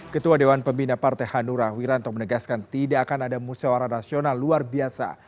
ketua dewan pembina partai hanura wiranto menegaskan tidak akan ada musyawara nasional luar biasa